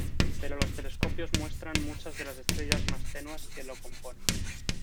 Pero los telescopios muestran muchas de las estrellas más tenues que lo componen.